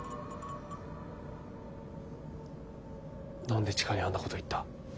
何で千佳にあんなこと言った。